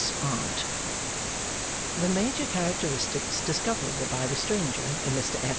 's Aunt.' The major characteristics discoverable by the stranger in Mr F.